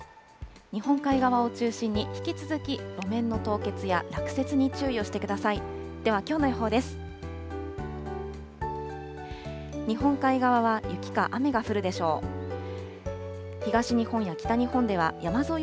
日本海側を中心に、引き続き路面の凍結や落雪に注意をしてください。